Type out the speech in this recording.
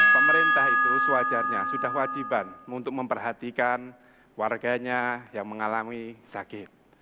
pemerintah itu sewajarnya sudah wajiban untuk memperhatikan warganya yang mengalami sakit